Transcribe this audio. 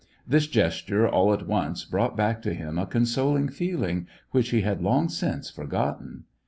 This gesture, all at once, brought back to him a consoling feeling, which he had long since forgotten.